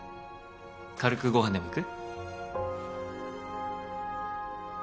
軽くご飯でも行く？